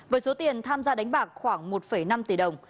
với số tiền tham gia đánh bạc khoảng một năm tỷ đồng